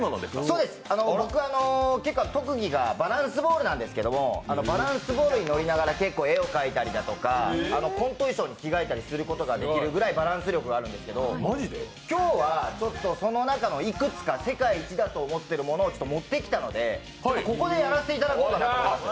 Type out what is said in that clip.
僕、結構特技がバランスボールなんですけど、バランスボールに乗りながら絵を描いたりとかコント衣装に着替えたりすることができるくらいバランス力があるんですけど、今日はその中のいくつか、世界一だと思ってるものを持ってきたので、ここでやらせていただこうかなと思います。